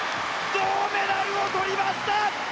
銅メダルを取りました！